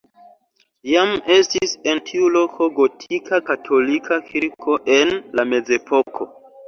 Jam estis en tiu loko gotika katolika kirko en la mezepoko.